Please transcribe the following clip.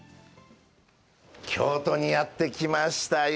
京都にやってきましたよ。